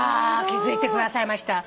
気付いてくださいました？